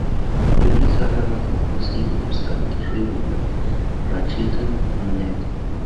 Jones ha grabado dos singles con Terry Wogan para Children in Need.